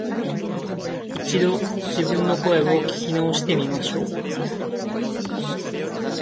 一度、自分の声を聞き直してみましょう